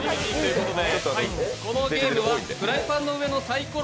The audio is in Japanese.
このゲームはフライパンの上のサイコロ